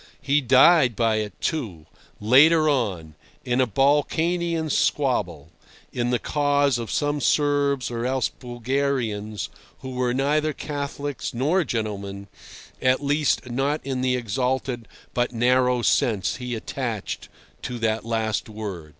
He died by it, too, later on, in a Balkanian squabble, in the cause of some Serbs or else Bulgarians, who were neither Catholics nor gentlemen—at least, not in the exalted but narrow sense he attached to that last word.